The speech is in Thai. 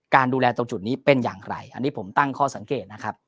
ดูแลตรงจุดนี้เป็นอย่างไรอันนี้ผมตั้งข้อสังเกตนะครับ